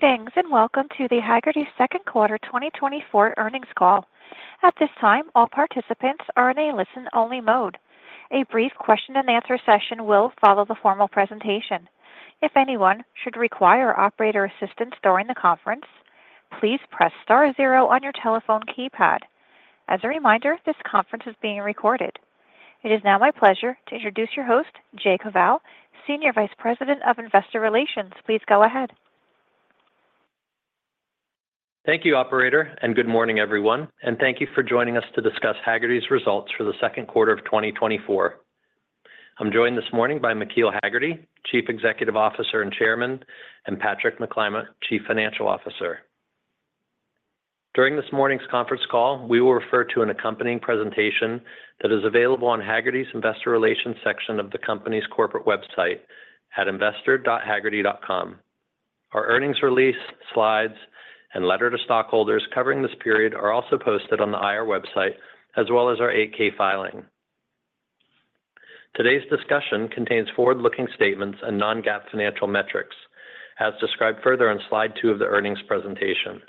Greetings, and welcome to the Hagerty Second Quarter 2024 Earnings Call. At this time, all participants are in a listen-only mode. A brief question and answer session will follow the formal presentation. If anyone should require operator assistance during the conference, please press star zero on your telephone keypad. As a reminder, this conference is being recorded. It is now my pleasure to introduce your host, Jay Koval, Senior Vice President of Investor Relations. Please go ahead. Thank you, operator, and good morning, everyone, and thank you for joining us to discuss Hagerty's results for the second quarter of 2024. I'm joined this morning by McKeel Hagerty, Chief Executive Officer and Chairman, and Patrick McClymont, Chief Financial Officer. During this morning's conference call, we will refer to an accompanying presentation that is available on Hagerty's Investor Relations section of the company's corporate website at investor.hagerty.com. Our earnings release, slides, and letter to stockholders covering this period are also posted on the IR website, as well as our 8-K filing. Today's discussion contains forward-looking statements and non-GAAP financial metrics, as described further on slide two of the earnings presentation.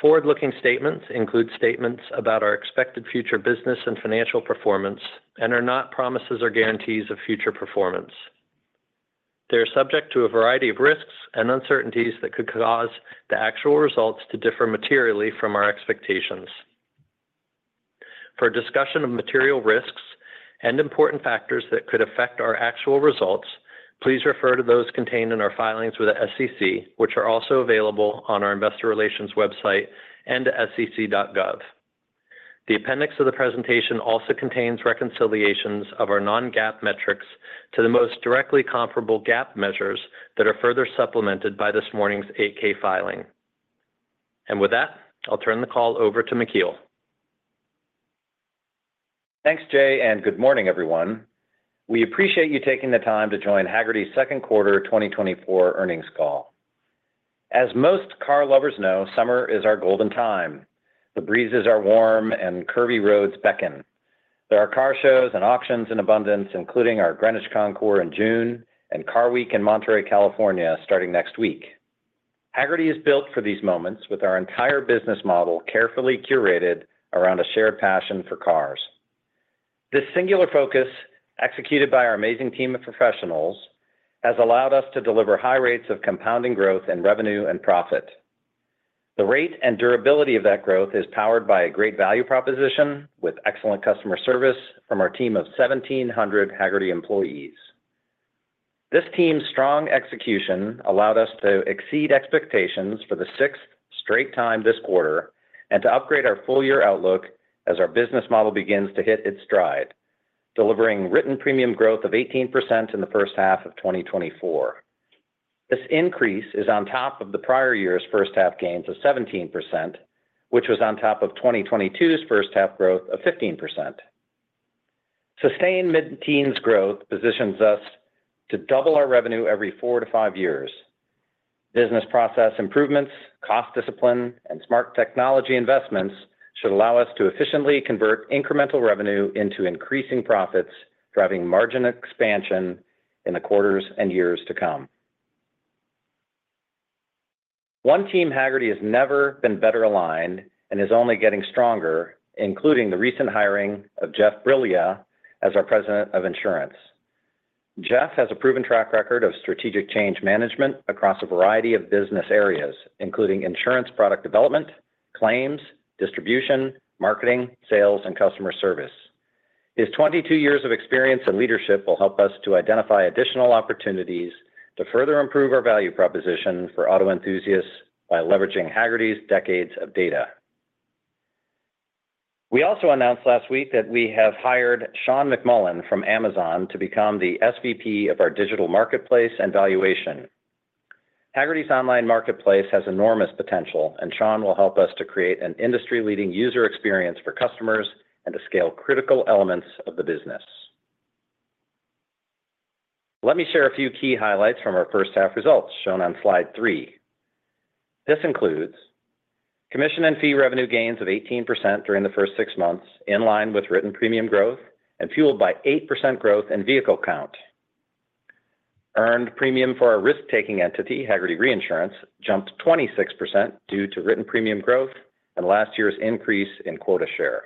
Forward-looking statements include statements about our expected future business and financial performance and are not promises or guarantees of future performance. They are subject to a variety of risks and uncertainties that could cause the actual results to differ materially from our expectations. For a discussion of material risks and important factors that could affect our actual results, please refer to those contained in our filings with the SEC, which are also available on our Investor Relations website and sec.gov. The appendix of the presentation also contains reconciliations of our non-GAAP metrics to the most directly comparable GAAP measures that are further supplemented by this morning's 8-K filing. With that, I'll turn the call over to McKeel. Thanks, Jay, and good morning, everyone. We appreciate you taking the time to join Hagerty's second quarter 2024 earnings call. As most car lovers know, summer is our golden time. The breezes are warm and curvy roads beckon. There are car shows and auctions in abundance, including our Greenwich Concours in June and Car Week in Monterey, California, starting next week. Hagerty is built for these moments with our entire business model carefully curated around a shared passion for cars. This singular focus, executed by our amazing team of professionals, has allowed us to deliver high rates of compounding growth in revenue and profit. The rate and durability of that growth is powered by a great value proposition with excellent customer service from our team of 1,700 Hagerty employees. This team's strong execution allowed us to exceed expectations for the sixth straight time this quarter and to upgrade our full year outlook as our business model begins to hit its stride, delivering written premium growth of 18% in the first half of 2024. This increase is on top of the prior year's first half gains of 17%, which was on top of 2022's first half growth of 15%. Sustained mid-teens growth positions us to double our revenue every 4-5 years. Business process improvements, cost discipline, and smart technology investments should allow us to efficiently convert incremental revenue into increasing profits, driving margin expansion in the quarters and years to come. One Team Hagerty has never been better aligned and is only getting stronger, including the recent hiring of Jeff Briglia as our President of Insurance. Jeff has a proven track record of strategic change management across a variety of business areas, including insurance, product development, claims, distribution, marketing, sales, and customer service. His 22 years of experience and leadership will help us to identify additional opportunities to further improve our value proposition for auto enthusiasts by leveraging Hagerty's decades of data. We also announced last week that we have hired Sean McMullan from Amazon to become the SVP of our digital marketplace and valuation. Hagerty's online marketplace has enormous potential, and Sean will help us to create an industry-leading user experience for customers and to scale critical elements of the business. Let me share a few key highlights from our first half results, shown on slide three. This includes commission and fee revenue gains of 18% during the first six months, in line with written premium growth and fueled by 8% growth in vehicle count. Earned premium for our risk-taking entity, Hagerty Reinsurance, jumped 26% due to written premium growth and last year's increase in quota share.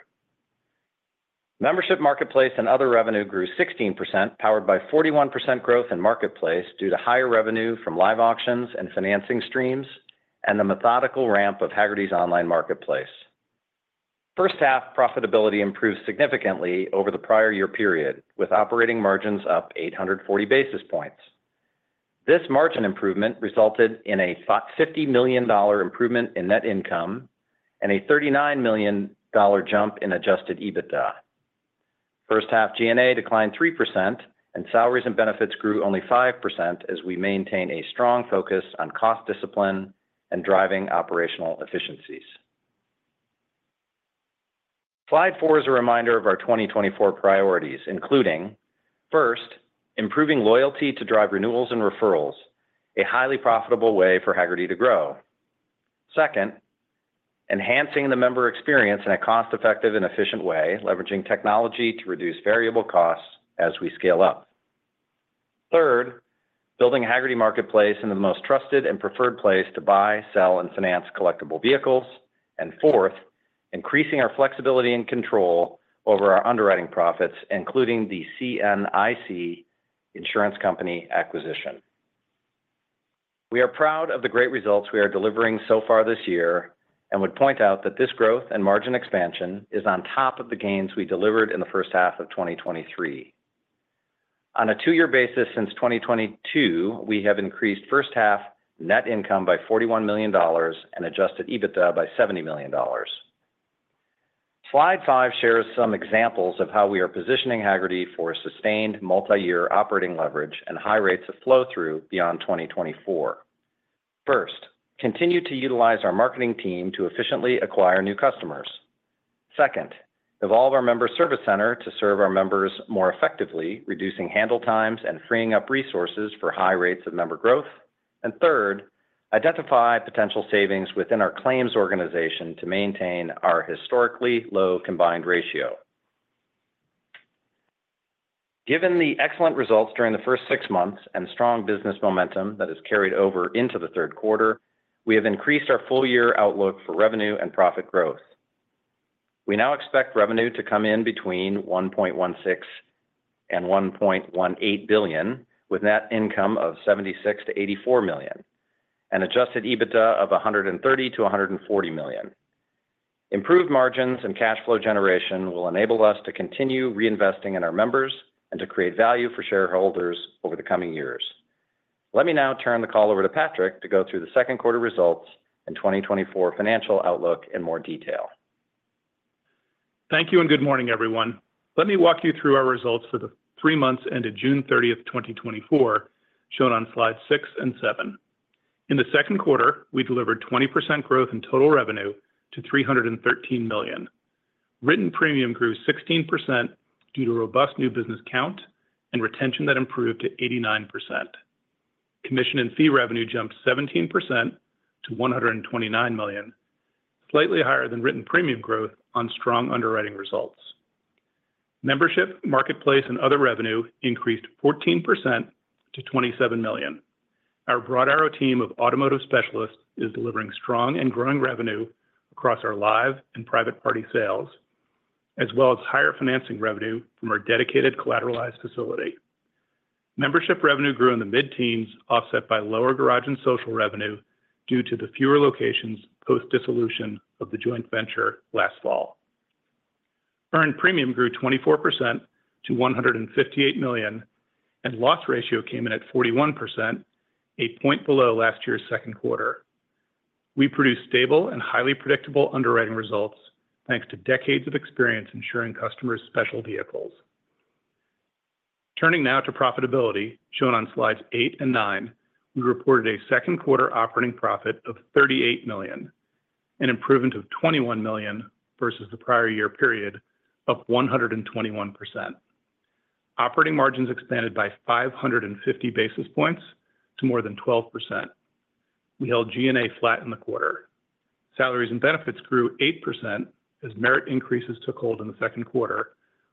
Membership, marketplace, and other revenue grew 16%, powered by 41% growth in marketplace due to higher revenue from live auctions and financing streams, and the methodical ramp of Hagerty's online marketplace. First half profitability improved significantly over the prior year period, with operating margins up 840 basis points. This margin improvement resulted in a $50 million improvement in net income and a $39 million jump in adjusted EBITDA. First half G&A declined 3%, and salaries and benefits grew only 5% as we maintain a strong focus on cost discipline and driving operational efficiencies. Slide four is a reminder of our 2024 priorities, including, first, improving loyalty to drive renewals and referrals, a highly profitable way for Hagerty to grow. Second, enhancing the member experience in a cost-effective and efficient way, leveraging technology to reduce variable costs as we scale up. Third, building Hagerty Marketplace into the most trusted and preferred place to buy, sell, and finance collectible vehicles. And fourth, increasing our flexibility and control over our underwriting profits, including the CNIC Insurance Company acquisition. We are proud of the great results we are delivering so far this year, and would point out that this growth and margin expansion is on top of the gains we delivered in the first half of 2023. On a two-year basis since 2022, we have increased first half net income by $41 million and Adjusted EBITDA by $70 million. Slide five shares some examples of how we are positioning Hagerty for sustained multi-year operating leverage and high rates of flow-through beyond 2024. First, continue to utilize our marketing team to efficiently acquire new customers. Second, evolve our member service center to serve our members more effectively, reducing handle times and freeing up resources for high rates of member growth. And third, identify potential savings within our claims organization to maintain our historically low Combined Ratio. Given the excellent results during the first six months and strong business momentum that has carried over into the third quarter, we have increased our full year outlook for revenue and profit growth. We now expect revenue to come in between $1.16 billion and $1.18 billion, with net income of $76-$84 million, and Adjusted EBITDA of $130-$140 million. Improved margins and cash flow generation will enable us to continue reinvesting in our members and to create value for shareholders over the coming years. Let me now turn the call over to Patrick to go through the second quarter results and 2024 financial outlook in more detail. Thank you, and good morning, everyone. Let me walk you through our results for the three months ended June thirtieth, 2024, shown on slides six and seven. In the second quarter, we delivered 20% growth in total revenue to $313 million. Written premium grew 16% due to robust new business count and retention that improved to 89%. Commission and fee revenue jumped 17% to $129 million, slightly higher than written premium growth on strong underwriting results. Membership, marketplace, and other revenue increased 14% to $27 million. Our Broad Arrow team of automotive specialists is delivering strong and growing revenue across our live and private party sales, as well as higher financing revenue from our dedicated collateralized facility. Membership revenue grew in the mid-teens, offset by lower garage and social revenue due to the fewer locations post-dissolution of the joint venture last fall. Earned premium grew 24% to $158 million, and loss ratio came in at 41%, a point below last year's second quarter. We produced stable and highly predictable underwriting results, thanks to decades of experience ensuring customers' special vehicles. Turning now to profitability, shown on slides 8 and 9, we reported a second quarter operating profit of $38 million, an improvement of $21 million versus the prior year period of 121%. Operating margins expanded by 550 basis points to more than 12%. We held G&A flat in the quarter. Salaries and benefits grew 8% as merit increases took hold in the second quarter,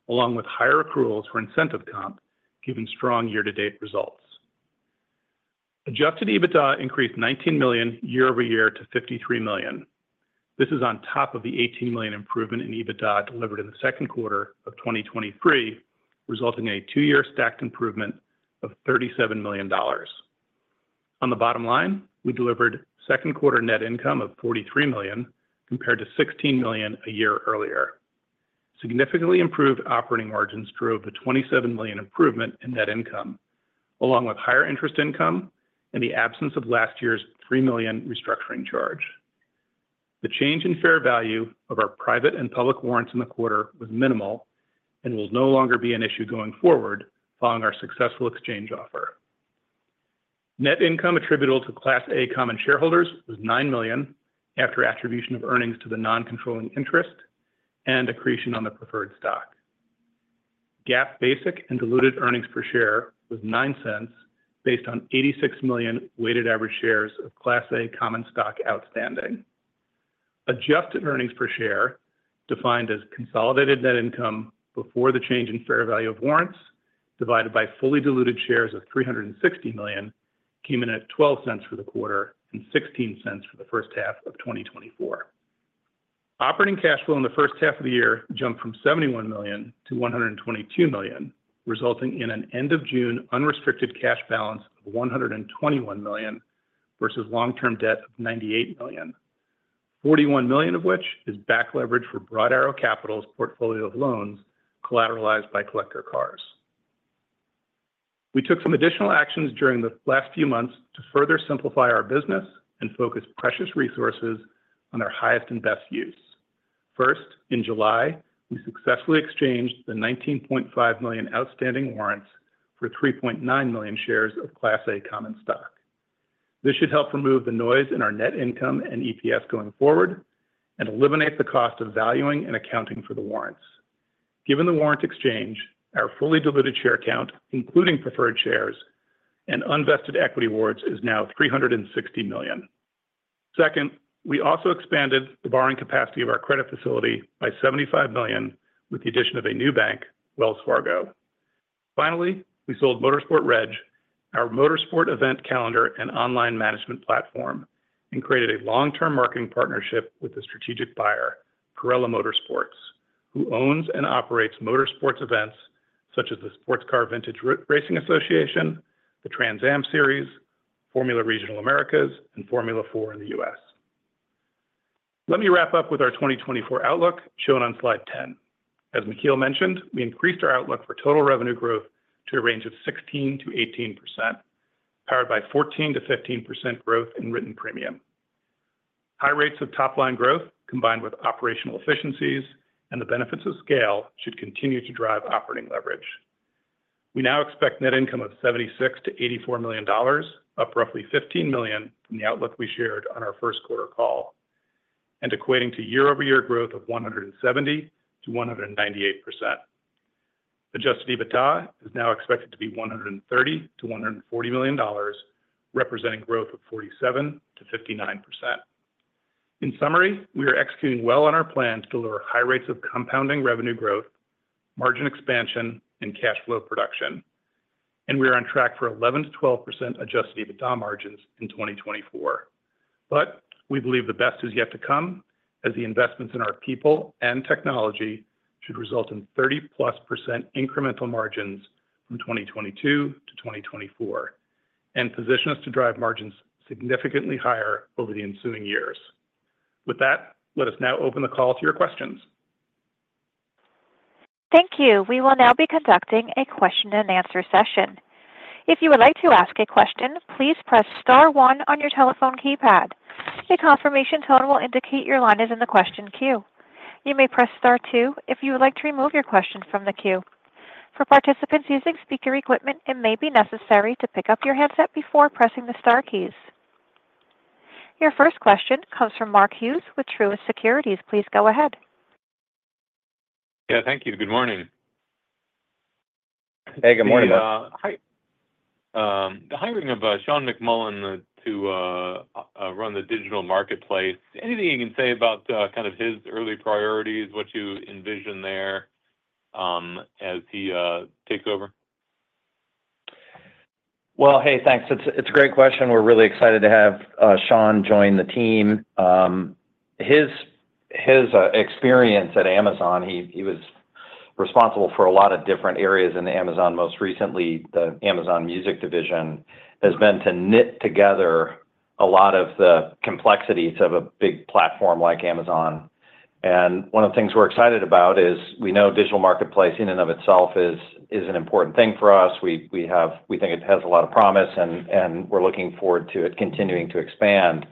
along with higher accruals for incentive comp, given strong year-to-date results. Adjusted EBITDA increased $19 million year-over-year to $53 million. This is on top of the $18 million improvement in EBITDA delivered in the second quarter of 2023, resulting in a two-year stacked improvement of $37 million. On the bottom line, we delivered second quarter net income of $43 million, compared to $16 million a year earlier. Significantly improved operating margins drove a $27 million improvement in net income, along with higher interest income and the absence of last year's $3 million restructuring charge. The change in fair value of our private and public warrants in the quarter was minimal and will no longer be an issue going forward following our successful exchange offer. Net income attributable to Class A common shareholders was $9 million after attribution of earnings to the non-controlling interest and accretion on the preferred stock. GAAP basic and diluted earnings per share was $0.09, based on 86 million weighted average shares of Class A common stock outstanding. Adjusted earnings per share, defined as consolidated net income before the change in fair value of warrants, divided by fully diluted shares of 360 million, came in at $0.12 for the quarter and $0.16 for the first half of 2024. Operating cash flow in the first half of the year jumped from $71-$122 million, resulting in an end of June unrestricted cash balance of $121 million versus long-term debt of $98 million. $41 million of which is back leverage for Broad Arrow Capital's portfolio of loans collateralized by collector cars. We took some additional actions during the last few months to further simplify our business and focus precious resources on our highest and best use. First, in July, we successfully exchanged the 19.5 million outstanding warrants for 3.9 million shares of Class A Common Stock. This should help remove the noise in our net income and EPS going forward and eliminate the cost of valuing and accounting for the warrants. Given the warrant exchange, our fully diluted share count, including preferred shares and unvested equity awards, is now 360 million. Second, we also expanded the borrowing capacity of our credit facility by $75 million, with the addition of a new bank, Wells Fargo. Finally, we sold MotorsportReg, our motorsport event calendar and online management platform, and created a long-term marketing partnership with a strategic buyer, Parella Motorsports Holdings, who owns and operates motorsports events such as the Sportscar Vintage Racing Association, the Trans Am Series, Formula Regional Americas, and Formula 4 in the U.S. Let me wrap up with our 2024 outlook, shown on slide 10. As McKeel mentioned, we increased our outlook for total revenue growth to a range of 16%-18%, powered by 14%-15% growth in written premium. High rates of top-line growth, combined with operational efficiencies and the benefits of scale, should continue to drive operating leverage. We now expect net income of $76-$84 million, up roughly $15 million from the outlook we shared on our first quarter call, and equating to year-over-year growth of 170%-198%. Adjusted EBITDA is now expected to be $130 million-$140 million, representing growth of 47%-59%. In summary, we are executing well on our plan to deliver high rates of compounding revenue growth, margin expansion, and cash flow production, and we are on track for 11%-12% adjusted EBITDA margins in 2024. But we believe the best is yet to come, as the investments in our people and technology should result in 30+% incremental margins from 2022 to 2024, and position us to drive margins significantly higher over the ensuing years. With that, let us now open the call to your questions. Thank you. We will now be conducting a question and answer session. If you would like to ask a question, please press star one on your telephone keypad. A confirmation tone will indicate your line is in the question queue. You may press star two if you would like to remove your question from the queue. For participants using speaker equipment, it may be necessary to pick up your headset before pressing the star keys. Your first question comes from Mark Hughes with Truist Securities. Please go ahead. Yeah, thank you. Good morning. Hey, good morning, Mark. Hi, the hiring of Sean McMullan to run the digital marketplace, anything you can say about kind of his early priorities, what you envision there, as he takes over? Well, hey, thanks. It's a great question. We're really excited to have Sean join the team. His experience at Amazon, he was responsible for a lot of different areas in Amazon, most recently, the Amazon Music division, has been to knit together a lot of the complexities of a big platform like Amazon. And one of the things we're excited about is, we know digital marketplace in and of itself is an important thing for us. We have, we think it has a lot of promise, and we're looking forward to it continuing to expand.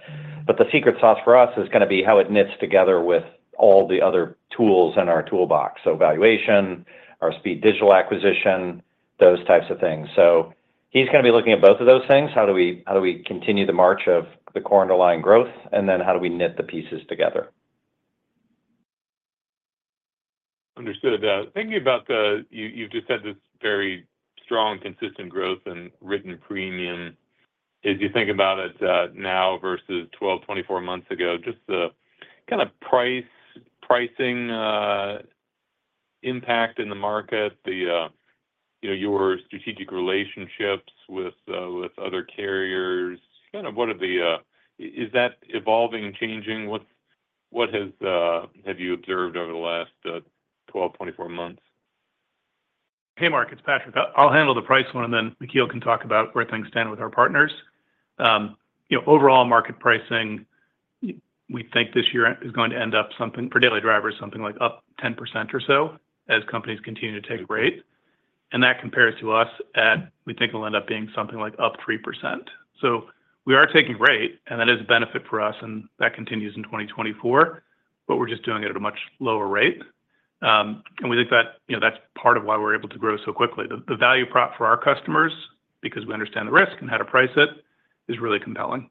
But the secret sauce for us is gonna be how it knits together with all the other tools in our toolbox. So valuation, our Speed Digital acquisition, those types of things. So he's gonna be looking at both of those things. How do we, how do we continue the march of the core underlying growth, and then how do we knit the pieces together? Understood. Thinking about the. You've just said this very strong, consistent growth and written premium. As you think about it, now versus 12, 24 months ago, just the kind of price, pricing, impact in the market, the, you know, your strategic relationships with, with other carriers, kind of what are the? Is that evolving and changing? What, what has, have you observed over the last 12, 24 months? Hey, Mark, it's Patrick. I'll handle the price one, and then McKeel can talk about where things stand with our partners. You know, overall market pricing, we think this year is going to end up something, for daily drivers, something like up 10% or so as companies continue to take rate. And that compares to us at, we think it'll end up being something like up 3%. So we are taking rate, and that is a benefit for us, and that continues in 2024, but we're just doing it at a much lower rate. And we think that, you know, that's part of why we're able to grow so quickly. The value prop for our customers, because we understand the risk and how to price it, is really compelling.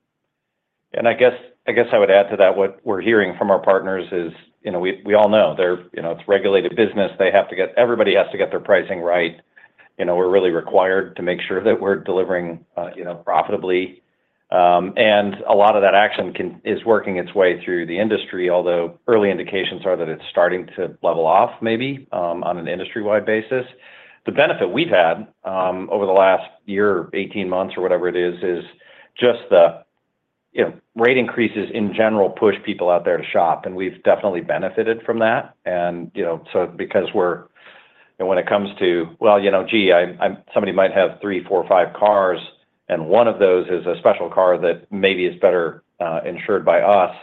I guess, I guess I would add to that, what we're hearing from our partners is, you know, we all know they're, you know, it's regulated business. They have to get. Everybody has to get their pricing right. You know, we're really required to make sure that we're delivering, you know, profitably. And a lot of that action is working its way through the industry, although early indications are that it's starting to level off, maybe, on an industry-wide basis. The benefit we've had over the last year or 18 months or whatever it is, is just the, you know, rate increases in general, push people out there to shop, and we've definitely benefited from that. And, you know, so because we're. And when it comes to, well, you know, gee, somebody might have three, four, five cars, and one of those is a special car that maybe is better insured by us,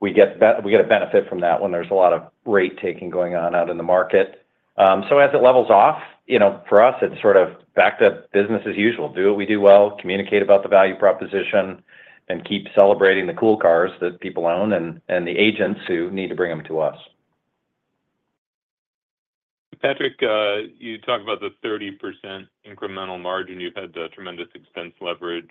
we get a benefit from that when there's a lot of rate taking going on out in the market. So as it levels off, you know, for us, it's sort of back to business as usual. Do what we do well, communicate about the value proposition, and keep celebrating the cool cars that people own and the agents who need to bring them to us. Patrick, you talked about the 30% incremental margin. You've had tremendous expense leverage.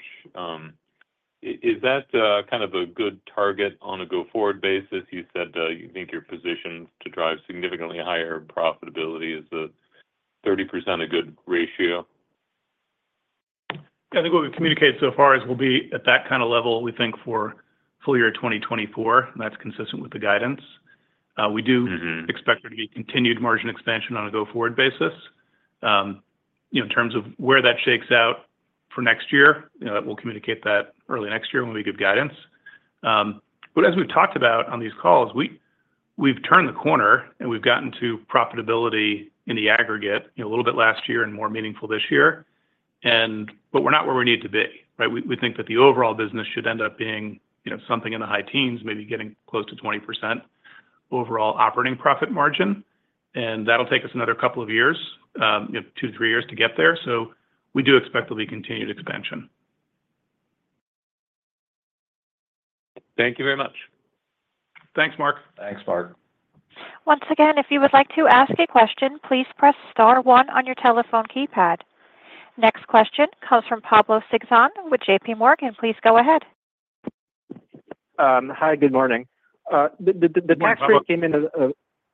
Is that kind of a good target on a go-forward basis? You said you think you're positioned to drive significantly higher profitability. Is 30% a good ratio? I think what we've communicated so far is we'll be at that kind of level, we think, for full year 2024, and that's consistent with the guidance. We do expect there to be continued margin expansion on a go-forward basis. You know, in terms of where that shakes out for next year, you know, we'll communicate that early next year when we give guidance. But as we've talked about on these calls, we've turned the corner, and we've gotten to profitability in the aggregate, you know, a little bit last year and more meaningful this year. But we're not where we need to be, right? We think that the overall business should end up being, you know, something in the high teens, maybe getting close to 20% overall operating profit margin, and that'll take us another couple of years, you know, 2-3 years to get there. So we do expect there'll be continued expansion. Thank you very much. Thanks, Mark. Thanks, Mark. Once again, if you would like to ask a question, please press star one on your telephone keypad. Next question comes from Pablo Singzon with JPMorgan. Please go ahead. Hi, good morning. The tax rate, Good morning.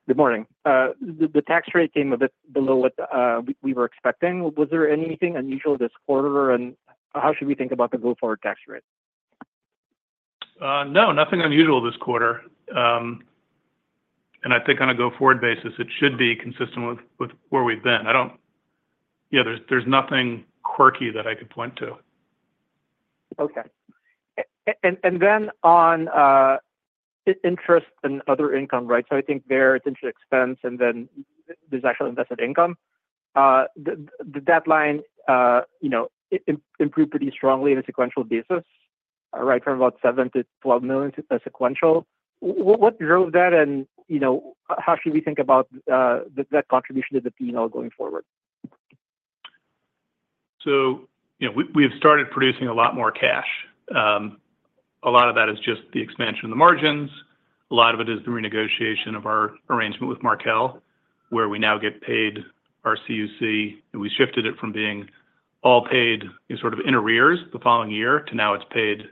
Good morning. The tax rate came a bit below what we were expecting. Was there anything unusual this quarter, and how should we think about the go-forward tax rate? No, nothing unusual this quarter. I think on a go-forward basis, it should be consistent with where we've been. Yeah, there's nothing quirky that I could point to. Okay. And then on interest and other income, right? So I think it's interest expense, and then there's actual investment income. That line, you know, improved pretty strongly on a sequential basis, right, from about $7-$12 million sequentially. What drove that, and you know, how should we think about that contribution to the P&L going forward? So, you know, we have started producing a lot more cash. A lot of that is just the expansion of the margins. A lot of it is the renegotiation of our arrangement with Markel, where we now get paid our CUC, and we shifted it from being all paid in sort of in arrears the following year, to now it's paid,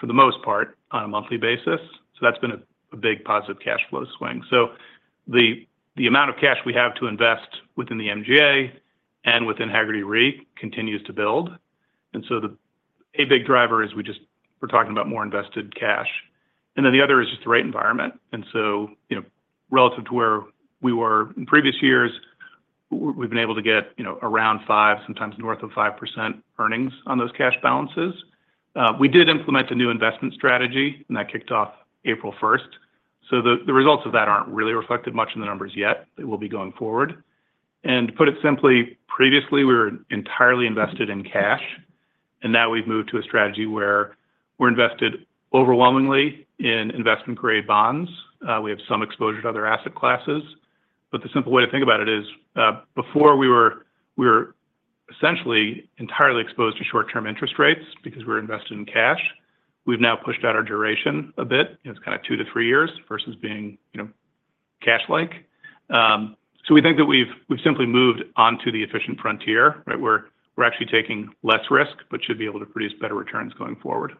for the most part, on a monthly basis. So that's been a big positive cash flow swing. So the amount of cash we have to invest within the MGA and within Hagerty Re continues to build. And so a big driver is we're talking about more invested cash. And then the other is just the rate environment. So, you know, relative to where we were in previous years, we've been able to get, you know, around five, sometimes north of 5% earnings on those cash balances. We did implement the new investment strategy, and that kicked off April 1. So the results of that aren't really reflected much in the numbers yet. They will be going forward. And to put it simply, previously, we were entirely invested in cash, and now we've moved to a strategy where we're invested overwhelmingly in investment-grade bonds. We have some exposure to other asset classes. But the simple way to think about it is, before we were essentially entirely exposed to short-term interest rates because we were invested in cash. We've now pushed out our duration a bit. It's kind of 2-3 years versus being, you know, cash-like. So, we think that we've simply moved on to the efficient frontier, right, where we're actually taking less risk, but should be able to produce better returns going forward.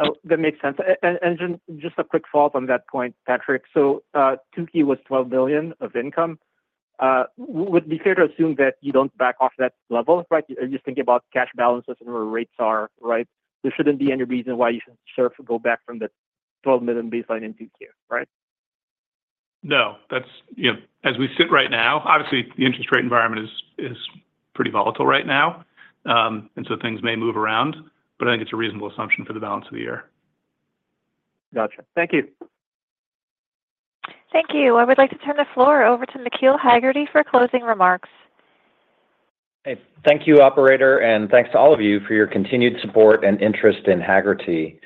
Oh, that makes sense. And just a quick follow-up on that point, Patrick. So, Q2 was $12 billion of income. Would it be fair to assume that you don't back off that level, right? Just thinking about cash balances and where rates are, right? There shouldn't be any reason why you should go back from the $12 million baseline in Q2, right? No, that's, you know, as we sit right now, obviously, the interest rate environment is pretty volatile right now, and so things may move around, but I think it's a reasonable assumption for the balance of the year. Gotcha. Thank you. Thank you. I would like to turn the floor over to McKeel Hagerty for closing remarks. Hey, thank you, operator, and thanks to all of you for your continued support and interest in Hagerty.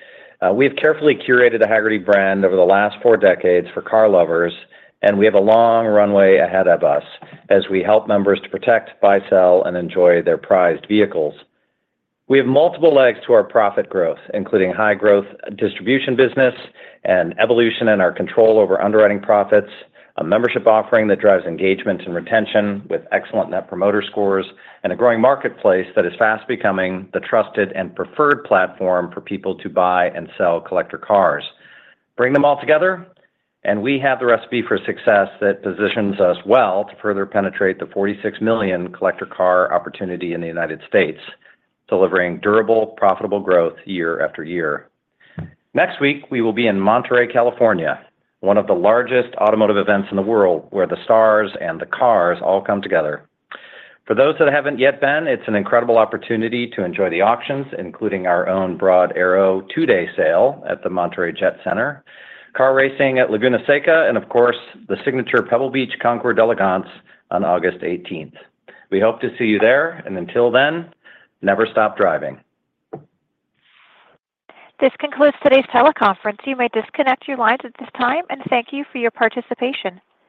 We have carefully curated the Hagerty brand over the last four decades for car lovers, and we have a long runway ahead of us as we help members to protect, buy, sell, and enjoy their prized vehicles. We have multiple legs to our profit growth, including high growth distribution business and evolution in our control over underwriting profits, a membership offering that drives engagement and retention with excellent Net Promoter Scores, and a growing marketplace that is fast becoming the trusted and preferred platform for people to buy and sell collector cars. Bring them all together, and we have the recipe for success that positions us well to further penetrate the 46 million collector car opportunity in the United States, delivering durable, profitable growth year after year. Next week, we will be in Monterey, California, one of the largest automotive events in the world, where the stars and the cars all come together. For those that haven't yet been, it's an incredible opportunity to enjoy the auctions, including our own Broad Arrow two-day sale at the Monterey Jet Center, car racing at Laguna Seca, and of course, the signature Pebble Beach Concours d'Elegance on August eighteenth. We hope to see you there, and until then, never stop driving. This concludes today's teleconference. You may disconnect your lines at this time, and thank you for your participation.